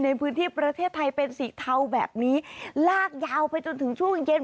ในพื้นที่ประเทศไทยเป็นสีเทาแบบนี้ลากยาวไปจนถึงช่วงเย็น